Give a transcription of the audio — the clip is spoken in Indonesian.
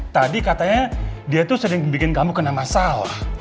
tadi katanya dia tuh sering bikin kamu kena masal